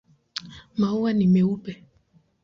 Maua ni meupe.